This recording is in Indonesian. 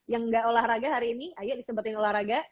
yang nggak olahraga hari ini ayo di sempat yang olahraga